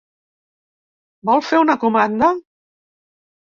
Vol fer una comanda?